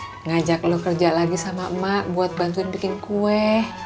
pengen banget ngajak lo kerja lagi sama emak buat bantuin bikin kue